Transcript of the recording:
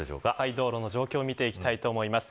道路の状況を見ていきます。